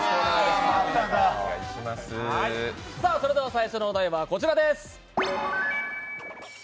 最初のお題はこちらです。